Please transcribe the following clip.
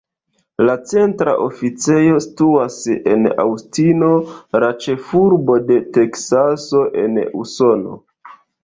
La centra oficejo situas en Aŭstino, la ĉefurbo de Teksaso en Usono.